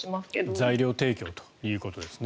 材料提供ということですね。